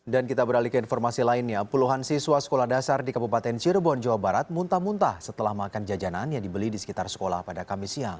dan kita beralih ke informasi lainnya puluhan siswa sekolah dasar di kabupaten cirebon jawa barat muntah muntah setelah makan jajanan yang dibeli di sekitar sekolah pada kamis siang